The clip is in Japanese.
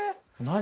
何？